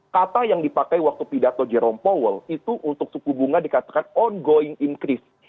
kata yang dipakai waktu pidato jerome powell itu untuk suku bunga dikatakan ongoing increase